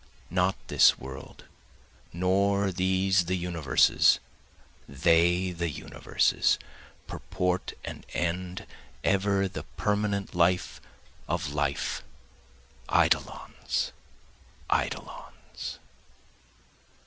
Not this the world, Nor these the universes, they the universes, Purport and end, ever the permanent life of life, Eidolons, eidolons.